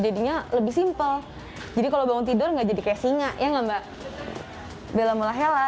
jadinya lebih simpel jadi kalau bangun tidur nggak jadi kayak singa ya nggak mbak bella mula hela